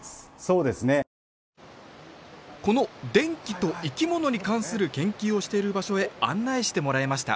この電気と生き物に関する研究をしている場所へ案内してもらいました